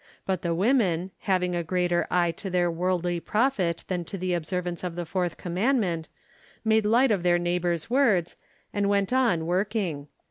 But the women, having a greater eye to their worldly profit than to the observance of the fourth commandment, made light of their neighbours' words, and went on working.